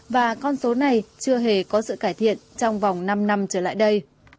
và con số này chưa hề có sự cải thiện trong vòng năm năm trở lại đây